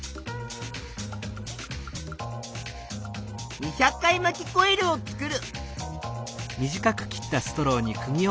２００回まきコイルをつくる。